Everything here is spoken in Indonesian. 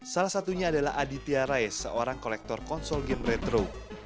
salah satunya adalah aditya rais seorang kolektor konsol game retro